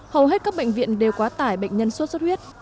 hầu hết các bệnh viện đều quá tải bệnh nhân suốt suốt huyết